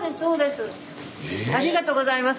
ありがとうございます。